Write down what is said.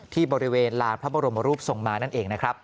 ที่บริเวณลานพระบรมรูปทรงมานั่นเองนะครับ